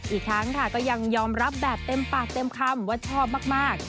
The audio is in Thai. อีกทั้งค่ะก็ยังยอมรับแบบเต็มปากเต็มคำว่าชอบมาก